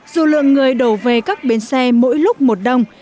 dù lượng người đổ về các bến xe mỗi lúc một đông